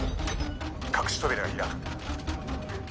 隠し扉が開く。